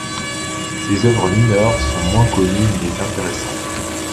Ses œuvres mineures sont moins connues mais intéressantes.